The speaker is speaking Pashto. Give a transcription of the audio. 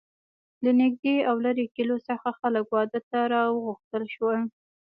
له نږدې او لرې کلیو څخه خلک واده ته را وغوښتل شول.